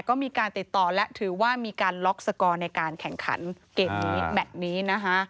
ก็มีการติดต่อและถือว่ามีการล็อกสกอร์ในการแข่งขันเกมนี้แมทนี้นะคะ